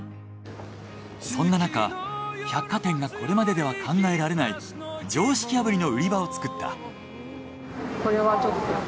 そんななか百貨店がこれまででは考えられない常識破りの売り場を作った。